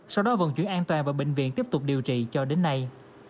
sau đó vận chuyển an toàn vào bệnh viện tiếp tục điều trị cho đến nay